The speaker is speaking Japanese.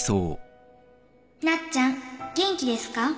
「なっちゃん元気ですか？」